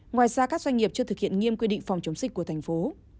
ngoài ra các doanh nghiệp chưa thực hiện nghiêm quy định phòng chống dịch của thành phố